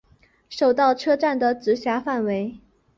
手稻车站的直辖范围。